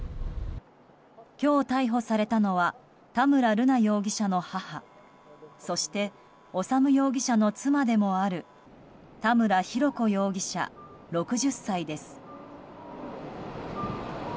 今日逮捕されたのは田村瑠奈容疑者の母そして修容疑者の妻でもある田村浩子容疑者、６０歳です。